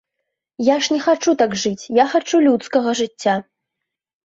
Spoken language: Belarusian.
Я ж не хачу так жыць, я хачу людскага жыцця.